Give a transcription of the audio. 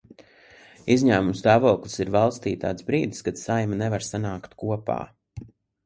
Izņēmuma stāvoklis ir valstī tāds brīdis, kad Saeima nevar sanākt kopā.